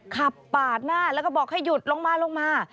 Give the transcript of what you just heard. ขับปาดหน้าแล้วก็บอกให้หยุดลงมาลงมา